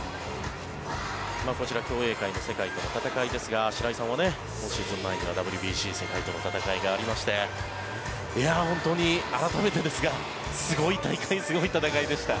こちら、競泳界の世界との戦いですが白井さんも今シーズンの前にはＷＢＣ、世界との戦いがありまして本当に改めてですがすごい大会、すごい戦いでした。